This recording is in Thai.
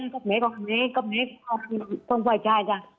ก็แม่ก็แม่ก็แม่ก็แม่ต้องปล่อยใจจ้ะ